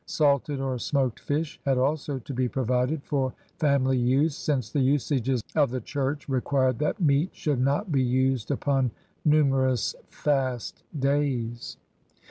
Salted or smoked fish had also to be provided for family use, since the usages of the Church required that meat should not be used upon numerous fast days.